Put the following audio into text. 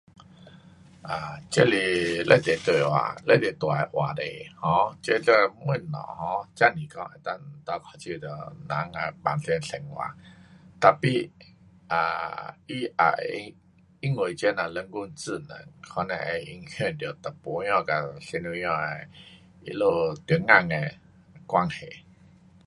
um 这是非常 um 大 um 非常大的话题，这那东西 um 真是讲会倒脚手到人的平常的生活，tapi,[um] 它也会因为这那人工智能它可能会影响到男孩子跟女孩子，他们中间的关系。